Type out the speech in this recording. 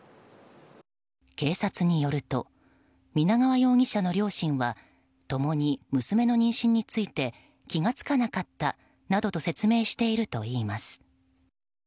警察によると皆川容疑者の両親は共に、娘の妊娠について気が付かなかったなどと説明しているといいます。